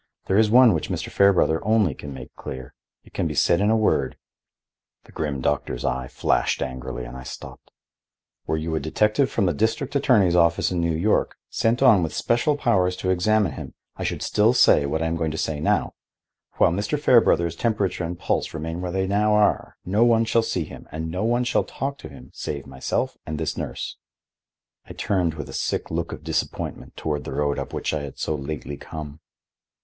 There is one which Mr. Fairbrother only can make clear. It can be said in a word—" The grim doctor's eye flashed angrily and I stopped. "Were you a detective from the district attorney's office in New York, sent on with special powers to examine him, I should still say what I am going to say now. While Mr. Fairbrother's temperature and pulse remain where they now are, no one shall see him and no one shall talk to him save myself and his nurse." I turned with a sick look of disappointment toward the road up which I had so lately come.